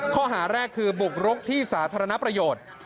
ข้อหาแรกคือบุกรุกที่สาธารณประโยชน์